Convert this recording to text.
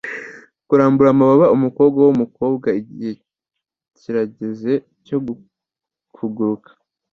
kurambura amababa umukobwa wumukobwa igihe kirageze cyo kuguruka